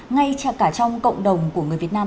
ngay cả trong cộng đồng của người việt nam